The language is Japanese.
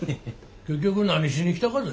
結局何しに来たがぜ？